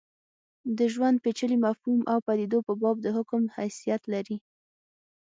د ژوند پېچلي مفهوم او پدیدو په باب د حکم حیثیت لري.